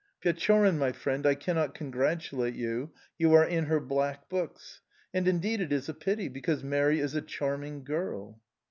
'... Pechorin, my friend, I cannot congratulate you, you are in her black books... And, indeed, it is a pity, because Mary is a charming girl!"...